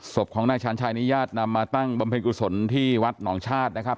ศพของนายชาญชัยนี้ญาตินำมาตั้งบำเพ็ญกุศลที่วัดหนองชาตินะครับ